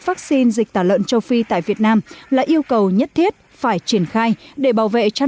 vaccine dịch tả lợn châu phi tại việt nam là yêu cầu nhất thiết phải triển khai để bảo vệ chăn